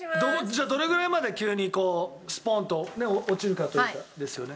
じゃあどれぐらいまで急にスポーンと落ちるかというかですよね。